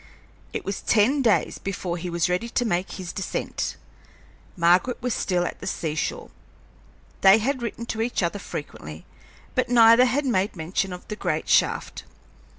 It was ten days before he was ready to make his descent. Margaret was still at the sea shore. They had written to each other frequently, but neither had made mention of the great shaft.